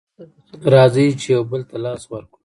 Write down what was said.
راځئ چې يو بل ته لاس ورکړو